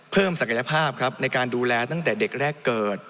ศักยภาพครับในการดูแลตั้งแต่เด็กแรกเกิด